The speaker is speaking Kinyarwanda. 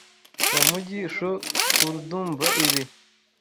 Kamugi shoUldumva ibi.